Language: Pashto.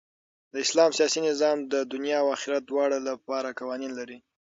د اسلام سیاسي نظام د دؤنيا او آخرت دواړو له پاره قوانين لري.